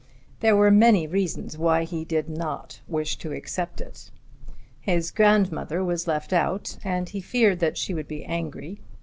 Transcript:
There were many reasons why he did not wish to accept it. His grandmother was left out and he feared that she would be angry.